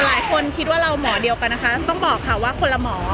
หลายคนคิดว่าเราหมอเดียวกันนะคะต้องบอกค่ะว่าคนละหมอ